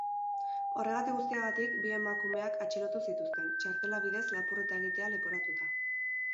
Horregatik guztiagatik, bi emakumeak atxilotu zituzten, txartela bidez lapurreta egitea leporatuta.